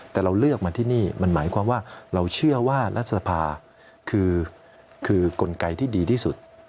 แต่เราเลือกมาที่นี่มันหมายความว่าเราเชื่อว่ารัฐสภาคือกลไกที่ดีที่สุด